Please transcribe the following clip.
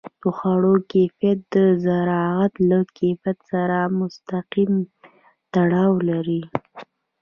د خوړو کیفیت د زراعت له کیفیت سره مستقیم تړاو لري.